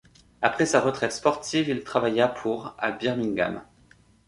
Après sa retraite sportive, il travailla pour à Birmingham.